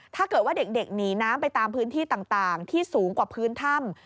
ถ้าเกิดว่าเด็กหนีน้ำไปตามพื้นที่ต่างที่สูงกว่าพื้นถ้ำ